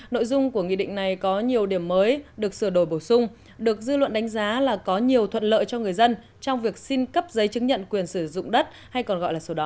nội dung của nghị định này có nhiều điểm mới được sửa đổi bổ sung được dư luận đánh giá là có nhiều thuận lợi cho người dân trong việc xin cấp giấy chứng nhận quyền sử dụng đất hay còn gọi là sổ đỏ